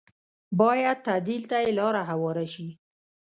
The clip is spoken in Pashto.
بايد تعديل ته یې لاره هواره شي